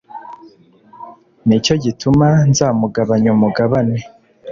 ni cyo gituma nzamugabanya umugabane